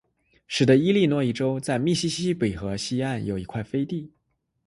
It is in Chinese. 使得伊利诺伊州在密西西比河西岸有一块飞地。